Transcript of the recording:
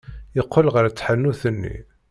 Yeqqel ɣer tḥanut-nni.